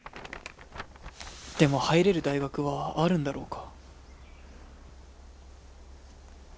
でも入れる大学はあるんだろうか。